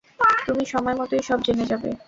তুমি সময়মতোই সব জেনে যাবে।